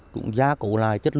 cũng gia cổ lại chất lượng